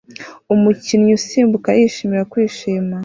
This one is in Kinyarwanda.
Umukinnyi usimbukayishimira kwishimisha